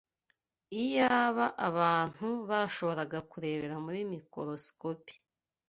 Iyaba abantu bashoboraga kurebera muri mikorosikopi